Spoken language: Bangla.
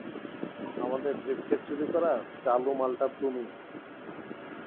আমাদের ব্রিফকেস চুরি করা চালু মালটা তুমি।